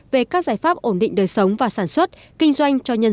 về các giải pháp ổn định đời sống và sản xuất